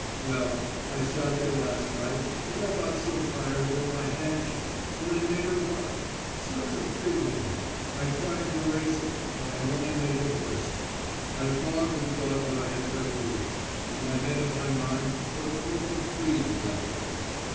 Well, I sat there last night and I got so tired that my hand shook, and I made a blot such a big one.... I tried to erase it, but I only made it worse.... I thought and thought what I had better do, and I made up my mind to put a clump of trees in that place....